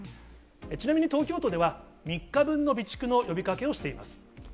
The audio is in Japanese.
ちなみに東京都では、３日分の備蓄の呼びかけをしています。